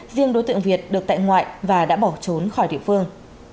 riêng đối tượng việt được tại ngoại và đã bỏ trốn khỏi địa phương